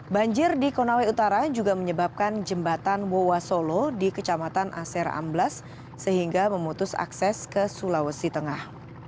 banjir di konawe utara juga menyebabkan jembatan wowasolo di kecamatan aser amblas sehingga memutus akses ke sulawesi tengah